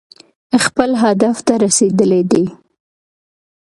خپل هدف ته رسېدلي دي.